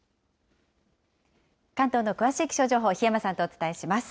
関東の詳しい気象情報、檜山さんとお伝えします。